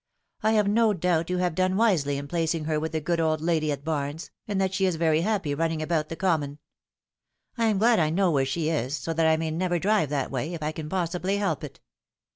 I have no doubt you have done wisely in placing her with the good old lady at Barnes, and that she is very happy running about the Common. I am glad I know where she is, so that I may never drive that way, if I can possibly help it.